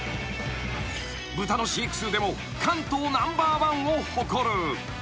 ［豚の飼育数でも関東ナンバーワンを誇る］